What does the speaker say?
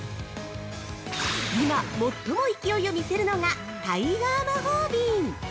今、最も勢いを見せるのがタイガー魔法瓶。